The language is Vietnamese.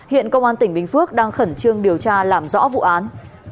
hiện công an tỉnh bình phước đang khẩn trương điều tra làm rõ vụ án